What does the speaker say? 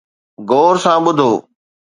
غور سان ٻڌو